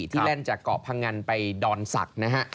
แล่นจากเกาะพงันไปดอนศักดิ์นะฮะ